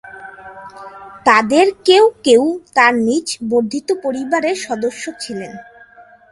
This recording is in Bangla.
তাদের কেউ কেউ তার নিজ বর্ধিত পরিবারের সদস্য ছিলেন।